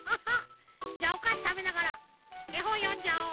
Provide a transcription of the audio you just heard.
じゃおかしたべながらえほんよんじゃおう！